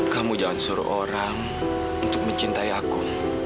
kamu jangan suruh orang untuk mencintai aku